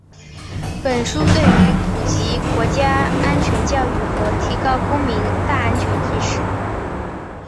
本书对于普及国家安全教育和提高公民“大安全”意识